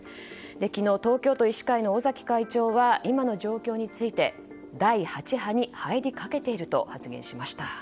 昨日、東京都医師会の尾崎会長は今の状況について第８波に入りかけていると発言しました。